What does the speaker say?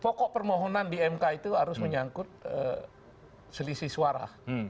pokok permohonan di mk itu harus menyangkut selisih suara